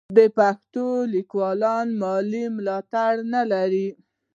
د پښتو لیکوالان مالي ملاتړ نه لري.